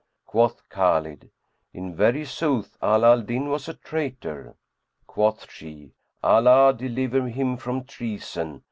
Quoth Khбlid, "In very sooth Ala al Din was a traitor." Quoth she, "Allah deliver him from treason!